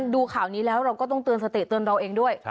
ดูข่าวนี้แล้วเราก็ต้องเตือนสติเตือนเราเองด้วย